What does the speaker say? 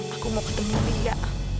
aku mau ketemu lia